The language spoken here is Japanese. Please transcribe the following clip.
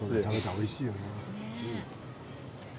おいしいよね。